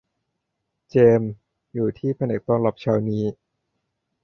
เจมส์ อยู่ที่แผนกต้อนรับเช้านี้